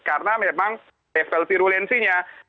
karena memang level virulensinya